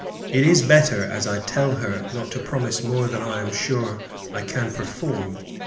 It is better, as I tell her, not to promise more than I am sure I can perform.